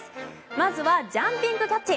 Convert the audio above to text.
まずはジャンピングタッチ。